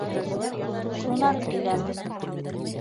Шунан киләм.